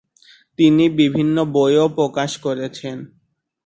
তিনি বিভিন্ন বইও প্রকাশ করেছেন।